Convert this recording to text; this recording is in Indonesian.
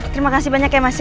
terima kasih banyak ya mas ya